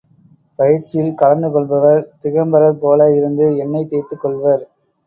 பயிற்சியில் கலந்துகொள்பவர் திகம்பரர் போல இருந்து எண்ணெய் தேய்த்துக் கொள்வர்.